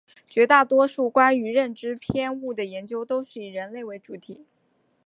绝大多数关于认知偏误的研究都是以人类为主体。